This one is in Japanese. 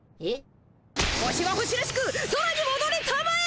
星は星らしく空にもどりたまえ！